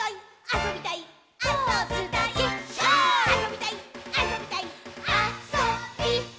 あそびたいっ！！」